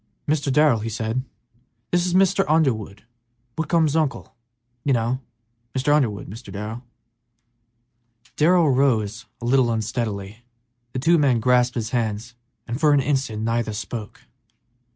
"Mr. Darrell," he said, "this is Mr. Underwood, Whitcomb's uncle, you know; Mr. Underwood, Mr. Darrell." Darrell rose a little unsteadily; the two men grasped hands and for an instant neither spoke.